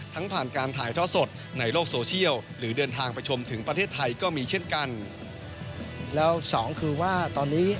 ทั้งผ่านการถ่ายท้อสดในโลกโซเชียลหรือเดินทางไปชมถึงประเทศไทยก็มีเช่นกัน